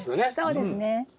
そうですね。